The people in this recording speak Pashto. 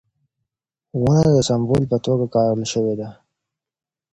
ونه د سمبول په توګه کارول شوې ده.